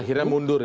akhirnya mundur ya